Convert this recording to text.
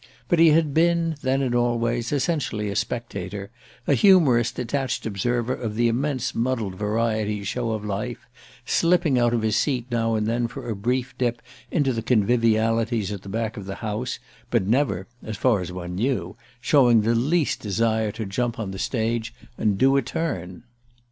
But he had been, then and always, essentially a spectator, a humorous detached observer of the immense muddled variety show of life, slipping out of his seat now and then for a brief dip into the convivialities at the back of the house, but never, as far as one knew, showing the least desire to jump on the stage and do a "turn."